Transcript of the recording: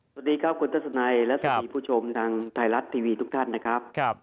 สวัสดีครับคุณทัศนัยและสวัสดีผู้ชมทางไทยรัฐทีวีทุกท่านนะครับ